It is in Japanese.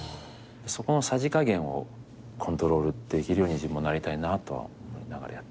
そこのさじ加減をコントロールできるように自分もなりたいなとは思いながらやってるんですけどね。